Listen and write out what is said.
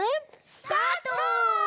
スタート！